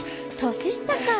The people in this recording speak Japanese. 年下か。